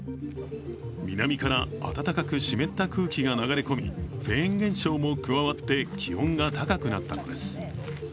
南から暖かく湿った空気が流れ込み、フェーン現象も加わって気温が高くなったのです。